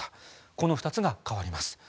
この２つが変わります。